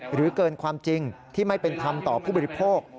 เกินความจริงที่ไม่เป็นธรรมต่อผู้บริโภค